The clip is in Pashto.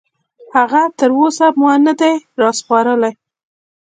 هغه تراوسه ماته نه دي راسپارلي.